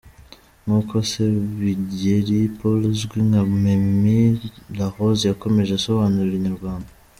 Nk’uko Sebigeri Paul uzwi nka Mimi La Rose yakomeje abisobanurira Inyarwanda.